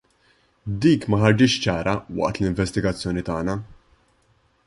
Dik ma ħarġitx ċara waqt l-investigazzjoni tagħna.